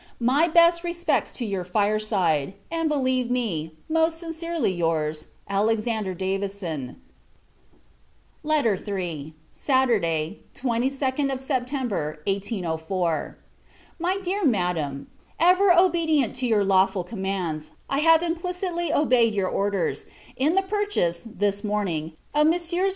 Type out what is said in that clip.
My best respects to your fire side; and believe me, most sincerely, your's, ALEX. DAVISON. III. Saturday, 22d September 1804. MY DEAR MADAM, Ever obedient to your lawful commands, I have implicitly obeyed your orders, in the purchase, this morning, of Messrs.